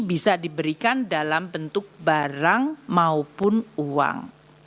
bisa diberikan dalam bentuk barang maupun uang